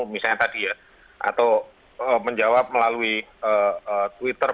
misalnya tadi ya atau menjawab melalui twitter